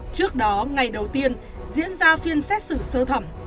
trước đó ngày đầu tiên diễn ra phiên xét xử sơ thẩm